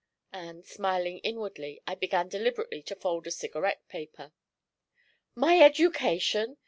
And, smiling inwardly, I began deliberately to fold a cigarette paper. 'My education!'